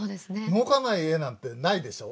動かない絵なんてないでしょ？